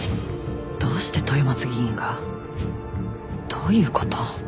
どうして豊松議員が？どういうこと？